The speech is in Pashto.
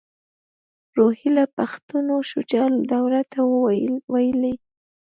روهیله پښتنو شجاع الدوله ته ویلي.